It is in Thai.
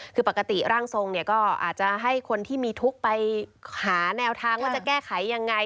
คือปกติร่างทรงเนี่ยก็อาจจะให้คนที่มีทุกข์ไปหาแนวทางว่าจะแก้ไขยังไง